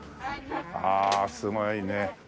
あすごいね。